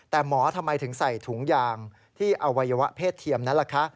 แต่หมอทำไมถึงใส่ถุงยางที่อวัยวะเพศเทียมนั้นล่ะคะ